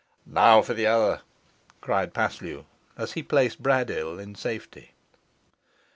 "Now for the other," cried Paslew, as he placed Braddyll in safety.